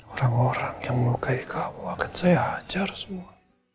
orang orang yang melukai kamu akan saya hajar semua